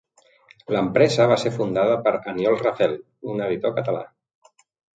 L'empresa va ser fundada per Aniol Rafel, un editor català.